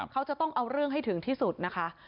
เขาจะต้องเอาเรื่องให้ถึงที่สุดนะคะ